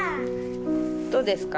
どうですか？